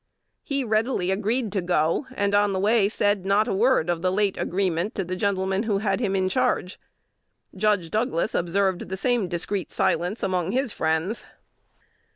He readily agreed to go, and on the way said not a word of the late agreement to the gentleman who had him in charge. Judge Douglas observed the same discreet silence among his friends.